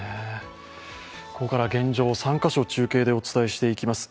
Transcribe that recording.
ここからは現状、３カ所中継でお伝えしていきます。